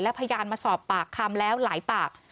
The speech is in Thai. พยานมาสอบปากคำแล้วหลายปาก